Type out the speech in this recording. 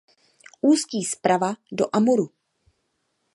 Ústí zprava do Amuru.